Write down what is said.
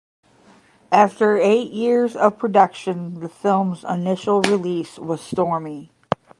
After eight years of production, the film's initial release was stormy.